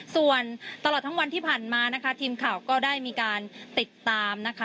ส่วนตลอดทั้งวันที่ผ่านมานะคะทีมข่าวก็ได้มีการติดตามนะคะ